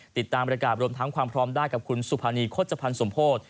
ติดตามบริการรวมทั้งความพร้อมได้กับคุณสุภานีโฆษภัณฑ์สมโพธิ